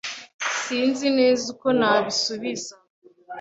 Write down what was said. Sinzi neza uko nabisubiza.